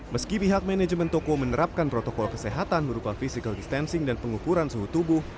meski pihak manajemen toko menerapkan protokol kesehatan berupa physical distancing dan pengukuran suhu tubuh